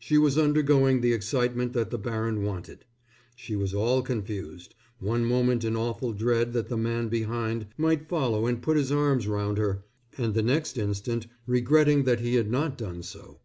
She was undergoing the excitement that the baron wanted. She was all confused, one moment in awful dread that the man behind might follow and put his arms round her, and the next instant regretting that he had not done so.